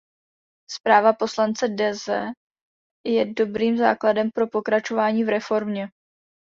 Zpráva poslance Desse je dobrým základem pro pokračování v reformě.